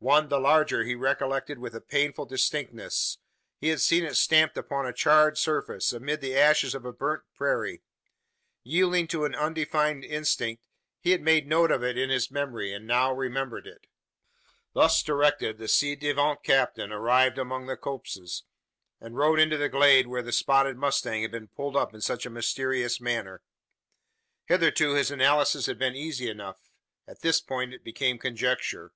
One, the larger, he recollected with a painful distinctness. He had seen it stamped upon a charred surface, amid the ashes of a burnt prairie. Yielding to an undefined instinct, he had made a note of it in his memory, and now remembered it. Thus directed, the ci devant captain arrived among the copses, and rode into the glade where the spotted mustang had been pulled up in such a mysterious manner. Hitherto his analysis had been easy enough. At this point it became conjecture.